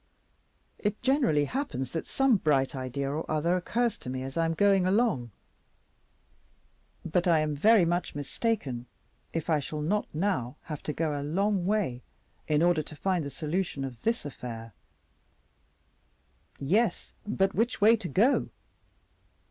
It generally happens that some bright idea or other occurs to me as I am going along; but I am very much mistaken if I shall not, now, have to go a long way in order to find the solution of this affair. Yes, but which way to go?